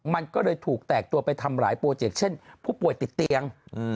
มันก็เลยถูกแตกตัวไปทำหลายโปรเจกต์เช่นผู้ป่วยติดเตียง